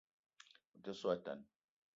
Me te so a tan